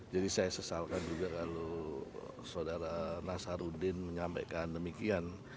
jadi saya sesalkan juga kalau saudara nasarudin menyampaikan demikian